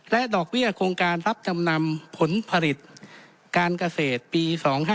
ดอกเบี้ยโครงการรับจำนำผลผลิตการเกษตรปี๒๕๕๙